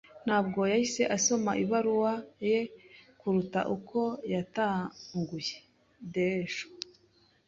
Ntabwo yahise asoma ibaruwa ye kuruta uko yatanyaguye. (Dejo)